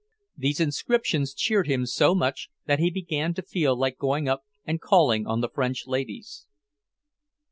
These inscriptions cheered him so much that he began to feel like going up and calling on the French ladies.